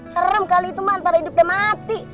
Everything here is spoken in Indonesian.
serem kali itu mah ntar hidup dan mati